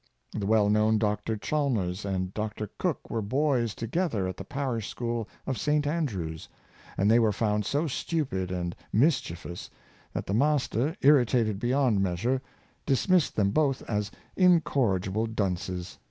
The well known Dr. Chal mers and Dr. Cook were boys together at the parish school of St. Andrew's; and they were found so stupid and mischievous, that the master, irritated beyond measure, dismissed them both as incorrigible dunces.